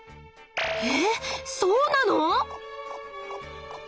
えそうなの？